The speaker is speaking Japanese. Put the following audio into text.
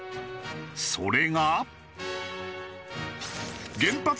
それが。